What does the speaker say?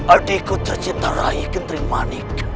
adikku tercinta raya kenterimanik